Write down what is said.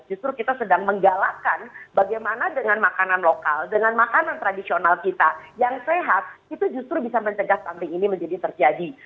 justru kita sedang menggalakkan bagaimana dengan makanan lokal dengan makanan tradisional kita yang sehat itu justru bisa mencegah stunting ini menjadi terjadi